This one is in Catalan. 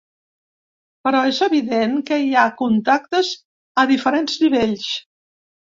Però és evident que hi ha contactes a diferents nivells.